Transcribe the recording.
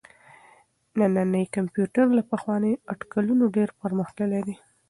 نننی کمپيوټر له پخوانيو اټکلونو ډېر پرمختللی دی.